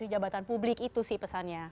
kelembatan publik itu sih pesannya